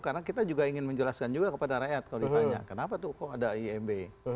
karena kita juga ingin menjelaskan kepada rakyat kalau ditanya kenapa tuh kok ada imb